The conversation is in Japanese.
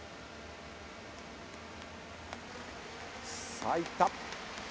さあいった。